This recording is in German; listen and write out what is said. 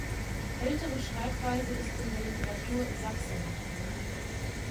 Ältere Schreibweise ist in der Literatur "Saxen".